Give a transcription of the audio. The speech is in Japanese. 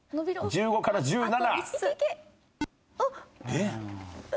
１５から１７。